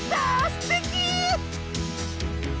すてき！